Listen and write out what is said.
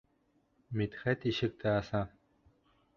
Мидхәт ишекте аса.